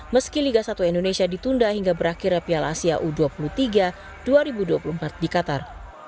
meski liga satu indonesia ditunda hingga berakhirnya piala asia u dua puluh tiga dua ribu dua puluh empat di qatar